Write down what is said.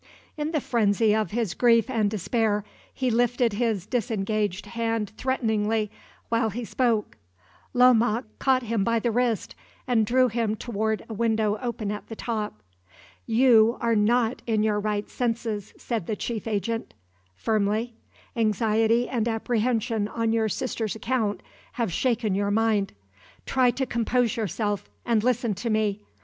In the frenzy of his grief and despair, he lifted his disengaged hand threateningly while he spoke. Lomaque caught him by the wrist, and drew him toward a window open at the top. "You are not in your right senses," said the chief agent, firmly; "anxiety and apprehension on your sister's account have shaken your mind. Try to compose yourself, and listen to me.